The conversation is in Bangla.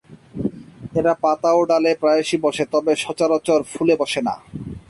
এরা পাতা ও ডালে প্রায়শই বসে, তবে সচারচর ফুলে বসে না।